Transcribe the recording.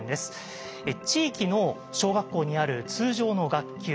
地域の小学校にある通常の学級。